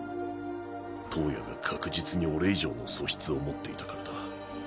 燈矢が確実に俺以上の素質を持っていたからだ。